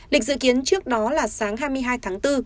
lịch dự kiến trước đó là sáng hai mươi hai tháng bốn